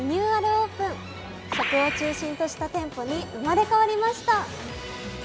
オープン食を中心とした店舗に生まれ変わりました。